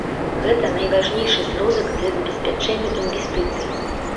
Гэта найважнейшы сродак для забеспячэння інвестыцый.